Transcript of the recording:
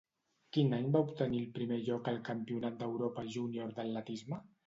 Quin any va obtenir el primer lloc al Campionat d'Europa Júnior d'Atletisme?